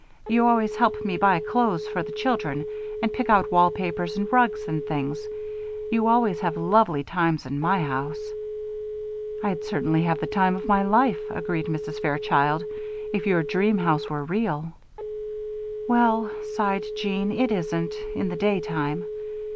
You always help me buy clothes for the children and pick out wallpapers and rugs and things. You always have lovely times in my house." "I'd certainly have the time of my life," agreed Mrs. Fairchild, "if your dream house were real." "Well," sighed Jeanne, "it isn't in the daytime.